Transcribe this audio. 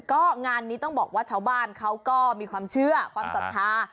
ก็งานนี้ต้องบอกว่าชาวบ้านเขาก็มีความเชื่อความศรัทธา